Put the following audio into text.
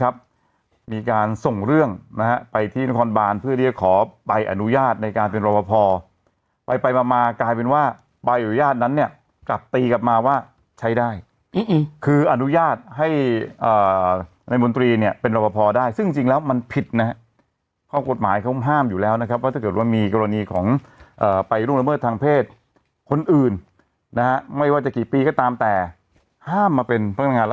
มีการส่งเรื่องนะฮะไปที่นครบานเพื่อเรียกขอใบอนุญาตในการเป็นรอบพอไปไปมามากลายเป็นว่าใบอนุญาตนั้นเนี่ยกลับตีกลับมาว่าใช้ได้คืออนุญาตให้ในมนตรีเนี่ยเป็นรอบพอได้ซึ่งจริงแล้วมันผิดนะฮะข้อกฎหมายเขาห้ามอยู่แล้วนะครับว่าถ้าเกิดว่ามีกรณีของไปล่วงละเมิดทางเพศคนอื่นนะฮะไม่ว่าจะกี่ปีก็ตามแต่ห้ามมาเป็นพนักงาน